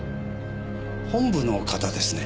本部の方ですね？